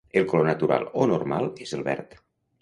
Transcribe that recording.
El color natural o "normal" és el verd.